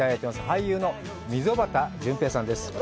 俳優の溝端淳平さんです。